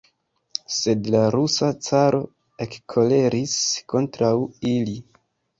Sed la rusa caro ekkoleris kontraŭ ili.